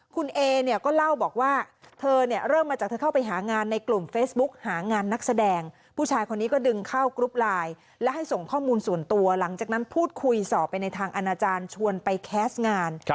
คุณเอเนี่ยก็เล่าบอกว่าเธอเนี่ยเริ่มมาจากเธอเข้าไปหางานในกลุ่มเฟซบุ๊กหางานนักแสดงผู้ชายคนนี้ก็ดึงเข้ากรุ๊ปไลน์และให้ส่งข้อมูลส่วนตัวหลังจากนั้นพูดคุยสอบไปในทางอนาจารย์ชวนไปแคสต์งาน